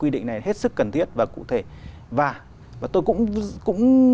rất là cụ thể và tôi cũng